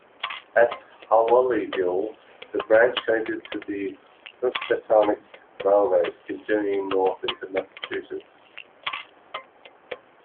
At Hawleyville, the branch connected to the Housatonic Railroad, continuing north into Massachusetts.